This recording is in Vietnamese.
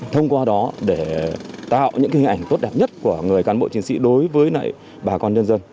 thông qua đó để tạo những hình ảnh tốt đẹp nhất của người cán bộ chiến sĩ đối với bà con nhân dân